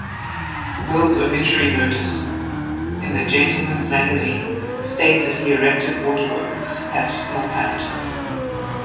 Mill's obituary notice in the "Gentleman's Magazine" states that he erected waterworks at Northampton.